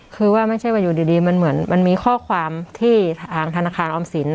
คือว่าไม่ใช่ว่าอยู่ดีมันเหมือนมันมีข้อความที่ทางธนาคารออมสิน